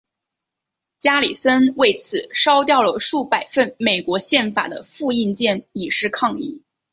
加里森为此烧掉了数百份美国宪法的复印件以示抗议。